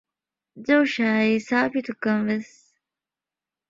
ޖޯޝާއި ސާބިތުކަންވެސް